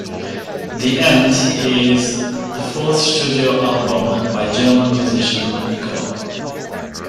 The End... is the fourth studio album by German musician Nico.